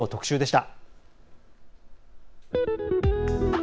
以上、特集でした。